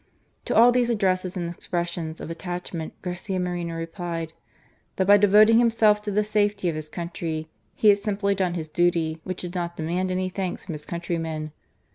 To all these addresses and expressions of attach ment Garcia Moreno replied, " that by devoting himself to the safety of his country, he had simply done his duty, which did not demand any thanks from his countrymen."